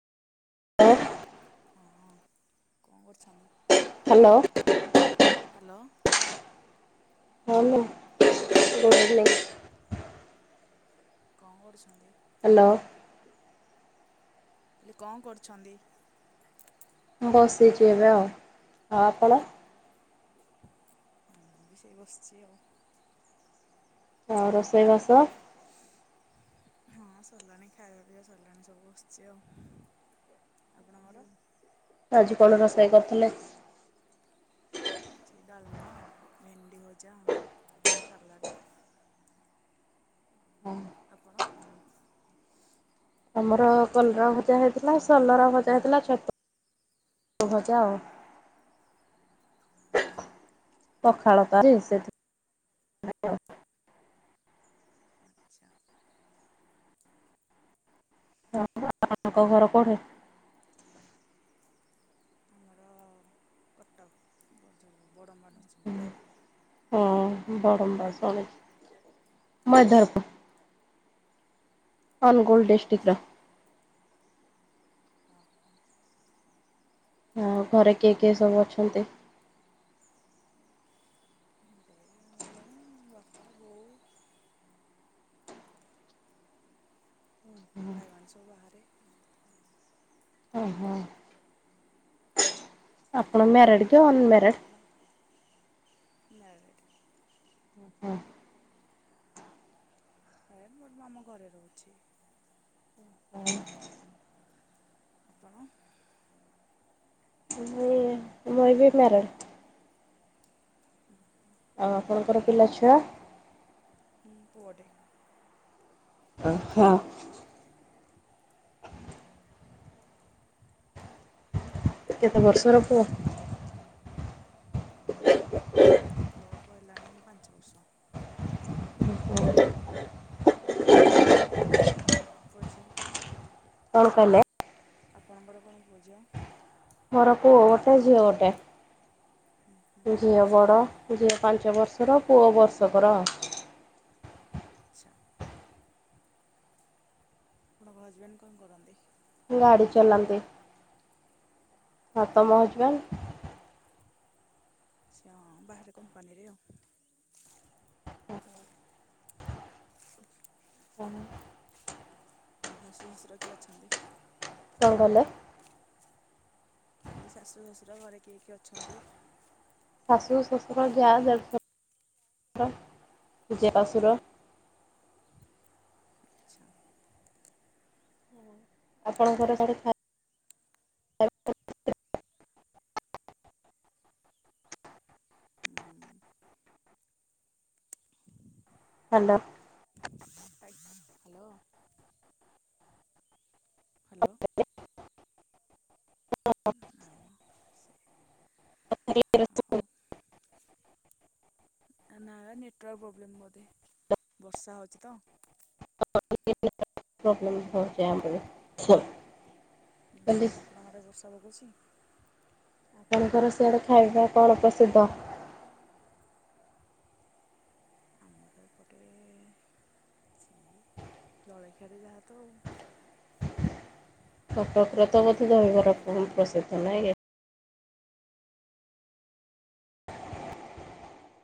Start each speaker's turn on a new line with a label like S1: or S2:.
S1: ଓ
S2: ହଁ କଁ କରୁଛନ୍ତି?
S1: ହାଲୋ।
S2: ହାଲୋ।
S1: ହଁ ମା ନାଇଁ
S2: କଁ କରୁଛନ୍ତି?
S1: ହାଲୋ।
S2: ହେଲେ କଁ କରୁଛନ୍ତି?
S1: ବସିଛି ଏବେ ଆଉ, ଆଉ ଆପଣ?
S2: ହୁଁ ମୁଁ ବି ସେଇ ବସିଚି ଆଉ।
S1: ଆଉ ରୋଷେଇ ବାସ।
S2: ହଁ ସରିଲାଣି ଖାଇବା ପିଇବା ସରିଲାଣି ସବୁ ବସିଛି ଆଉ, ଆପଣଙ୍କର?
S1: ଆଜି କଣ ରୋଷେଇ କରିଥିଲେ?
S2: ଆଜି ଡାଲ୍ମା ଭେଣ୍ଡି ଭୋଜା ସାଲାଟ୍। ଆପଣ
S1: ଆମର କଲରା ଭଜା ହେଇଥିଲା ସଲରା ଭଜା ହେଇଥିଲା ଛତ ତୁ ଭଜା ଆଉ।
S2: [inaudible]
S1: ପଖାଳ ପା ଜି ସେଠି
S2: ଆଚ୍ଛା
S1: ଆପଣଙ୍କ ଘର
S2: ଆଉ
S1: କୋଉଠେ?
S2: ଆମର କଟକ। ବ ବଡ଼ମା ନରସିଂହପୁର।
S1: [inaudible] ମଦରପୁର ଅନୁଗୁଳ ଡିଷ୍ଟ୍ରିକରେ।
S2: ଆଚ୍ଛା ହଁ
S1: ଆଉ ଘରେ କିଏ କିଏ ସବୁ ଅଛନ୍ତି?
S2: ହରେ ମୁ ମୁଁ ବାପା ବୋଉ ଭାଇ ମାନେ ସବୁ ବାହାରେ
S1: ଓ ହୋ। ଆପଣ ମ୍ୟାରେଡ?
S2: ଆପଣ ମ୍ୟାରେଡ।
S1: ହଁ।
S2: ହେ ମୁଁ ଆମ ଘରେ ରହୁଛି।
S1: ହୁଁ,
S2: ଆପଣ?
S1: ହୁଁ। ମୁଁ ବି ମ୍ୟାରେଡ।
S2: ହୁଁ ହୁଁ।
S1: ଆଉ ଆପଣଙ୍କର ପିଲା ଛୁଆ?
S2: ହୁଁ ପଡେ
S1: ହଁ।
S2: ଆପଣଙ୍କର?
S1: କେତେ
S2: ଆପଣଙ୍କର
S1: ବର୍ଷର
S2: କଣ
S1: ପୁଅ?
S2: ପୁଅକୁ ହେଲାଣି ପାଞ୍ଚ ବର୍ଷ। ଆପଣଙ୍କର କଣ ପୁଅ ଝିଅ?
S1: କଣ କହିଲେ?
S2: ଆପଣଙ୍କର କଣ ପୁଅ ଝିଅ?
S1: ମୋର ପୁଅ ଗୋଟେ ଝିଅ ଗୋଟେ।
S2: ହୁଁ ହୁଁ କେତେ
S1: ଝିଅ
S2: ବର୍ଷ
S1: ବଡ।
S2: ଲାଗେ
S1: ଝିଅ ପାଞ୍ଚ ବର୍ଷର ପୁଅ ବର୍ଷକର।
S2: ଆଚ୍ଛା ଆପଣଙ୍କ ହଜବେଣ୍ଡ କଣ କରନ୍ତି?
S1: ଗାଡି ଚଲାନ୍ତି ହଁ ତମ ହଜବେଣ୍ଡ?
S2: ସେ ବାହାରେ କମ୍ପାନୀରେ ଆଉ ଆଉ ଶାଶୁ ଶଶୁର କିିଏ ଅଛନ୍ତି?
S1: କଣ କହିଲେ?
S2: କହିଲି ଶାଶୁ ଶଶୁର ଘରେ କିଏ କିଏ ଅଛନ୍ତି?
S1: ଶାଶୁ ଶଶୁର ଯା ଦେଢ଼ସ ଜେଜେ ଶଶୁର।
S2: ଆଚ୍ଛା
S1: ଆପଣଙ୍କର କେ [inaudible]
S2: ହୁଁ।
S1: ହାଲୋ।
S2: ହାଲୋ। ହ୍ୟାଲୋ ନା
S1: [inaudible]
S2: ମ ସେ
S1: [inaudible]
S2: ଆଉ ନା ବା ନେଟୱାର୍କ ପ୍ରୋବ୍ଲେମ୍ ବୋଧେ ବର୍ଷା ହଉଛି ତ
S1: [unintelligible] ପ୍ରବ୍ଲେମ୍ ହଉଚି ଆମର
S2: ହୁଁ
S1: କହିଲି
S2: ଆପଣଙ୍କ ଆଡେ ବର୍ଷା ପକଉଛି?
S1: ଆପଣଙ୍କର ସିଆଡ଼େ ଖାଇବା କଣ ପ୍ରସିଦ୍ଧ?
S2: ଆମର ଏପଟେ ସେଇ ଜଳଖିଆରେ ଯାହା ତଉ।
S1: କଟକରେ ତ ବୋଧେ ଦହିବରା ପ୍ରସିଦ୍ଧ, ନାଇଁ କି?